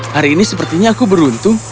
hari ini sepertinya aku beruntung